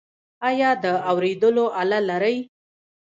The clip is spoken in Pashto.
ایا د اوریدلو آله لرئ؟